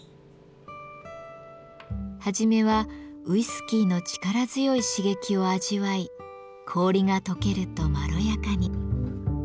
はじめはウイスキーの力強い刺激を味わい氷がとけるとまろやかに。